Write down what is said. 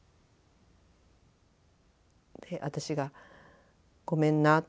私が「ごめんな。